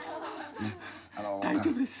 大丈夫です。